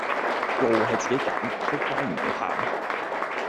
路係自己揀,仆街唔好喊